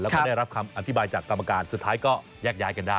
แล้วก็ได้รับคำอธิบายจากกรรมการสุดท้ายก็แยกย้ายกันได้